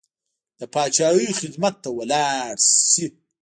د پاچاهۍ خدمت ته ولاړ شي.